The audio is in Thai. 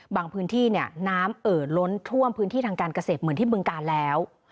พื้นที่เนี่ยน้ำเอ่อล้นท่วมพื้นที่ทางการเกษตรเหมือนที่บึงการแล้ว